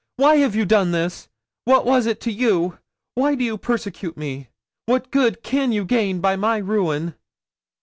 why have you done this? What was it to you? Why do you persecute me? What good can you gain by my ruin?'